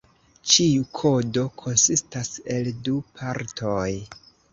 Ĉiu kodo konsistas el du partoj.